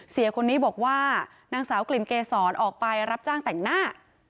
เสียคนนี้บอกว่านางสาวกลิ่นเกษรออกไปรับจ้างแต่งหน้า